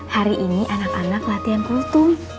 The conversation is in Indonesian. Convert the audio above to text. hari ini anak anak latihan rutin